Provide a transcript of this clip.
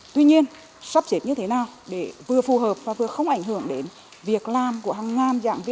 tuy nhiên sắp xếp như thế nào để vừa phù hợp và vừa không ảnh hưởng đến việc làm của hàng ngàn giảng viên